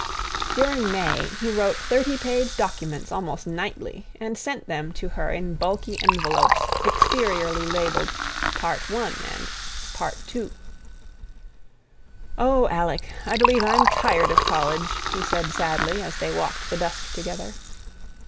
During May he wrote thirty page documents almost nightly, and sent them to her in bulky envelopes exteriorly labelled "Part I" and "Part II." "Oh, Alec, I believe I'm tired of college," he said sadly, as they walked the dusk together.